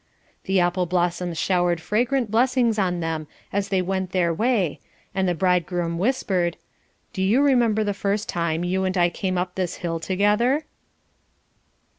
The apple blossoms showered fragrant blessings on them as they went their way, and the bridegroom whispered: "Do you remember the first time you and I came up this hill together?"